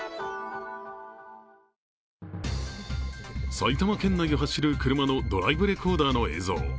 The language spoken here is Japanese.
埼玉県内を走る車のドライブレコーダーの映像。